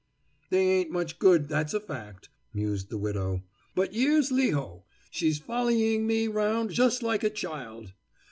"They ain't much good, that's a fact," mused the widow. "But yere's Leho; she's follying me around just like a child.